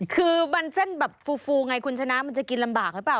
คือมันเส้นแบบฟูไงคุณชนะมันจะกินลำบากหรือเปล่า